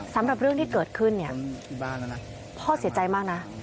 สำหรับเรื่องที่เกิดขึ้นเนี่ยนะพ่อเสียใจมากนะ